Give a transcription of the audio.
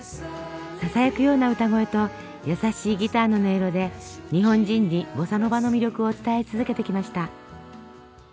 ささやくような歌声と優しいギターの音色で日本人にボサノバの魅力を伝え続けてきました。